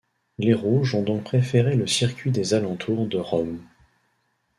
Les rouges ont donc préféré le circuit des alentours de Rome.